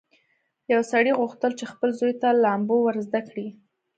یو سړي غوښتل چې خپل زوی ته لامبو ور زده کړي.